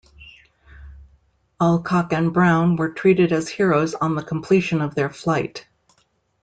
Alcock and Brown were treated as heroes on the completion of their flight.